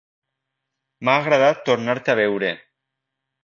M'ha agradat tornar-te a veure